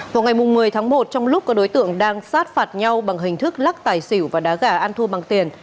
vào ngày một mươi tháng một trong lúc các đối tượng đang sát phạt nhau bằng hình thức lắc tài xỉu và đá gà ăn thua bằng tiền